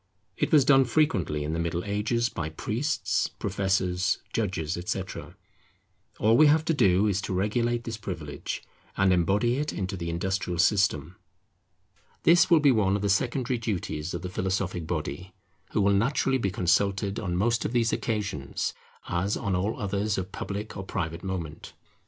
It was done frequently in the Middle Ages by priests, professors, judges, etc. All we have to do is to regulate this privilege, and embody it into the industrial system. This will be one of the secondary duties of the philosophic body, who will naturally be consulted on most of these occasions, as on all others of public or private moment.